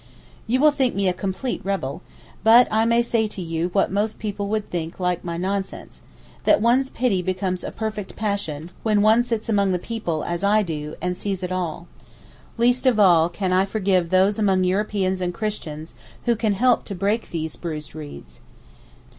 You will think me a complete rebel—but I may say to you what most people would think 'like my nonsense'—that one's pity becomes a perfect passion, when one sits among the people—as I do, and sees it all; least of all can I forgive those among Europeans and Christians who can help to 'break these bruised reeds.